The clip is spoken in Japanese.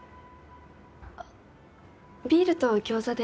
あビールと餃子で。